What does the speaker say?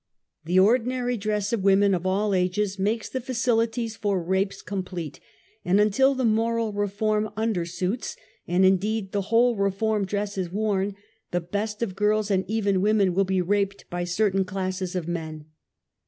The ordinary dress of women of all ages makes the facilities for rapes complete, and until the moral reform undersuits, and indeed the whole reform dress is worn, the best of girls and even women will ^be raped by certain classes of men.